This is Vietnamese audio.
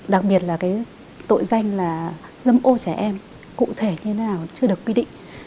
đặc biệt là cái tội danh là dâm ô trẻ em cụ thể như thế nào chưa được quy định